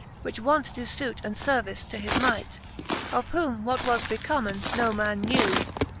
Which wont doe fuit and fervice to his might ; Of whom what was becomen, no man knew.